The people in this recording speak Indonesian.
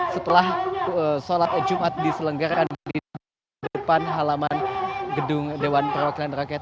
setelah sholat jumat diselenggarakan di depan halaman gedung dewan perwakilan rakyat